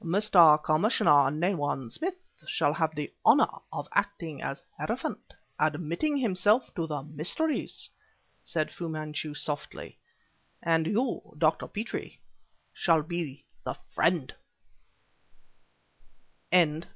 "Mr. Commissioner Nayland Smith shall have the honor of acting as hierophant, admitting himself to the Mysteries," said Fu Manchu softly, "and you, Dr. Petrie, shall be the Friend."